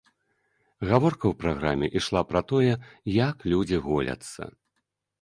Гаворка ў праграме ішла пра тое, як людзі голяцца.